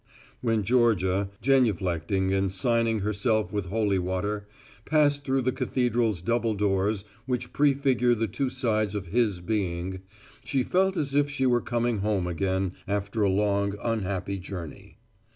When Georgia, genuflecting and signing herself with holy water, passed through the cathedral's double doors which prefigure the two sides of His being, she felt as if she were coming home again after a long, unhappy journey.